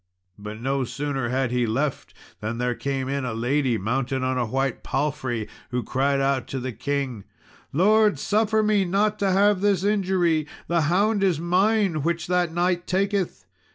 But no sooner had he left, than there came in a lady, mounted on a white palfrey, who cried out to the king, "Lord, suffer me not to have this injury! the hound is mine which that knight taketh."